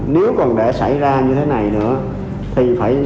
nếu còn để xảy ra như thế này nữa thì phải xử lý